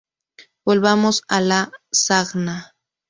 Volvamos a Lasagna.